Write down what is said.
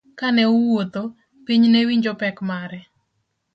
Kane owuotho, piny newinjo pek mare.